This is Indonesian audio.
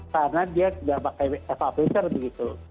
karena dia sudah pakai eva filter begitu